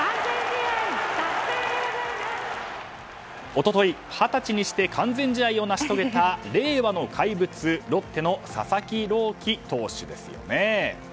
一昨日、二十歳にして完全試合を成し遂げた令和の怪物、ロッテの佐々木朗希投手ですよね。